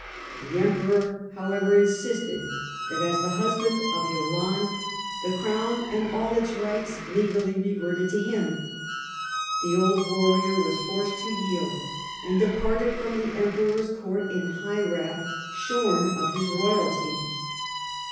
The Emperor, however, insisted that, as the husband of Yolande, the Crown and all its rights legally reverted to him. The old warrior was forced to yield, and departed from the Emperor's court in high wrath, shorn of his royalty.